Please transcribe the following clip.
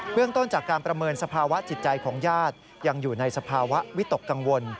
เรื่องต้นจากการประเมินสภาวะจิตใจของญาติยังอยู่ในสภาวะวิตกกังวล